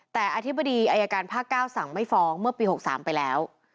แต่อธิบดีอายการภาค๙สั่งไม่ฟ้องเมื่อปี๖๓ไปแล้ว